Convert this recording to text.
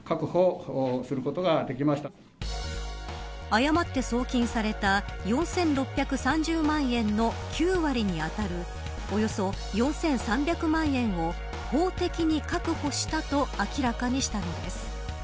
誤って送金された４６３０万円の９割に当たるおよそ４３００万円を法的に確保したと明らかにしたのです。